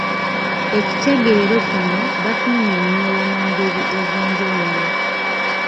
Ekitegeero kino bakinnyonnyola mu ngeri ez’enjawulo.